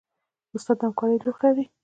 استاد د همکارۍ روح لري.